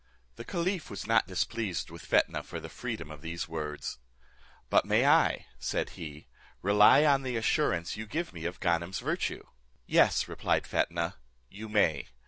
The caliph was not displeased with Fetnah for the freedom of these words; "But may I," said he, "rely on the assurance you give me of Ganem's virtue?" "Yes," replied Fetnah, "you may.